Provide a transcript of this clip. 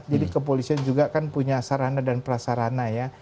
jadi kepolisian juga kan punya sarana dan prasarana